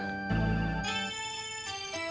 tapi kalau orang yang jauh